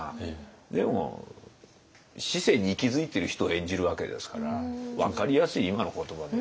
でも市井に息づいている人を演じるわけですから分かりやすい今の言葉で。